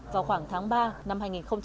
vào khoảng tháng ba năm hai nghìn hai mươi